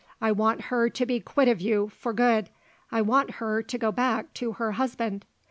I want her to be quit of you for good. I want her to go back to her husband.